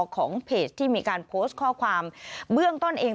ของเพจที่มีการโพสต์ข้อความเบื้องต้นเอง